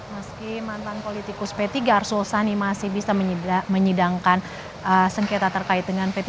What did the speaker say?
meski mantan politikus p tiga arsul sani masih bisa menyidangkan sengketa terkait dengan p tiga